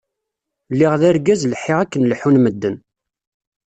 lliɣ d argaz lḥiɣ akken leḥḥun medden.